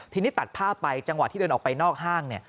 ทีนี่ตัดพ่อไปจังหวะทางอกไปหน้าห้าง